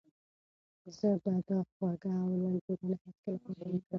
زه به دا خوږه او لنډه لیدنه هیڅکله هېره نه کړم.